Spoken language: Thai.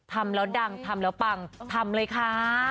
ทำแล้วดังทำแล้วปังทำเลยค่ะ